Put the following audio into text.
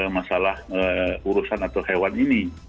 masalah urusan atau hewan ini